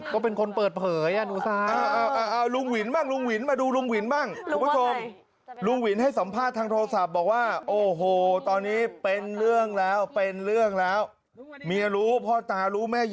ก็เป็นคนเปิดเผย